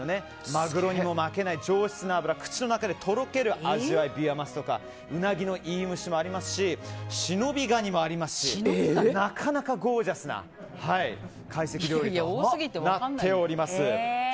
マグロにも負けない上質な脂口の中でとろける味わいビワマスとかうなぎのいいむしもありますしシノビガニもありますしなかなかゴージャスな会席料理となっています。